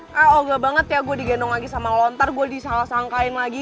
eh engga banget ya gua digendong lagi sama lo ntar gua disalah sangkain lagi